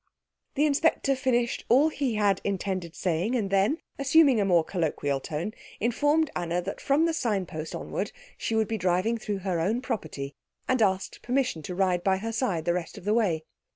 The inspector finished all he had intended saying, and then, assuming a more colloquial tone, informed Anna that from the sign post onward she would be driving through her own property, and asked permission to ride by her side the rest of the way.